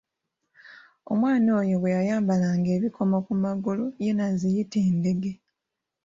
Omwana oyo bwe yayambalanga ebikomo ku magulu ye n’aziyita endege.